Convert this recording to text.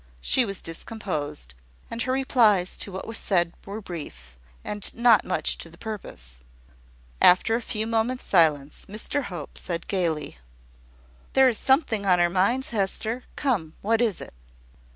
She was discomposed, and her replies to what was said were brief, and not much to the purpose. After a few moments' silence, Mr Hope said gaily "There is something on our minds, Hester. Come, what is it?"